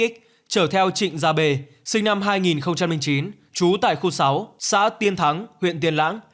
chở theo trịnh gia bê sinh năm hai nghìn chín trú tại khu sáu xã tiên thắng huyện tiên lãng